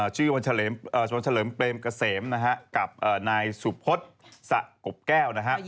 ชื่อวัญเฉลิมเกษมกับนายสุบคตสะกบแก้ว